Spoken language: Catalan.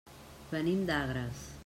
Venim d'Agres.